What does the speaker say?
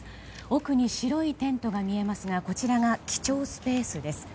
奥に白いテントが見えますがこちらが記帳スペースです。